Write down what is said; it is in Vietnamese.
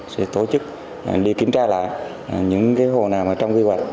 sẽ tổ chức đi kiểm tra lại những cái hộ nào trong quy hoạch